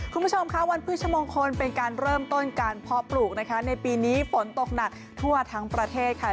คุณผู้ชมค่ะวันพฤชมงคลเป็นการเริ่มต้นการเพาะปลูกนะคะในปีนี้ฝนตกหนักทั่วทั้งประเทศค่ะ